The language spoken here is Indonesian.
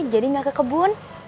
jadi nggak ke kebun